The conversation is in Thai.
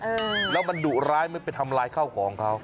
เออแล้วมันดุร้ายไม่ไปทำลายข้าวของเขา